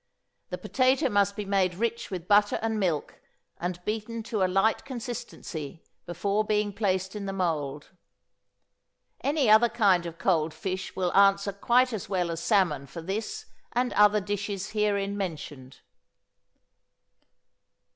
The potato must be made rich with butter and milk, and beaten to a light consistency before being placed in the mould. Any other kind of cold fish will answer quite as well as salmon for this and other dishes herein mentioned.